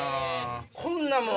こんなもん。